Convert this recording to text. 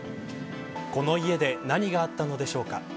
この家で何があったのでしょうか。